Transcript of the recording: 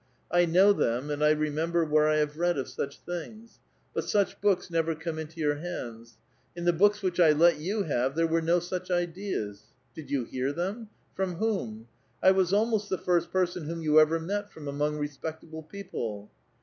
I know them, and I remem ber where 1 have read of such things ; but such books never come into your hands. In the books which I let you have there were no such ideas. Did you hear them? from whom? I was almost the fii*st person whom you ever met from among respectable people."